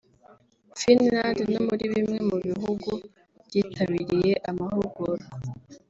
Finland no muri bimwe mu bihugu byitabiriye amahugurwa